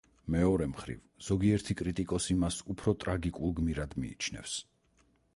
მეორე მხრივ, ზოგიერთი კრიტიკოსი მას უფრო ტრაგიკულ გმირად მიიჩნევს.